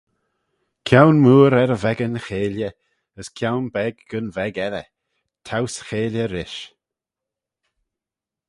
"Kione mooar er y veggan cheilley, as kione beg gyn veg edyr; towse cheilley rish"